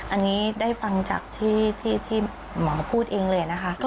อันนี้ได้ฟังจากที่หมอพูดเองเลยนะคะ